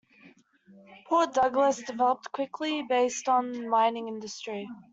Port Douglas developed quickly based on the mining industry.